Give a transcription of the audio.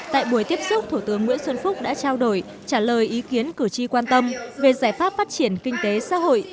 tại buổi tiếp xúc thủ tướng nguyễn xuân phúc đã trao đổi trả lời ý kiến cử tri quan tâm về giải pháp phát triển kinh tế xã hội